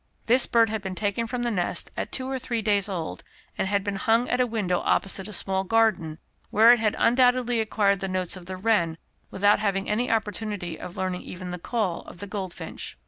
This bird had been taken from the nest at two or three days old, and had been hung at a window opposite a small garden, where it had undoubtedly acquired the notes of the wren without having any opportunity of learning even the call of the goldfinch.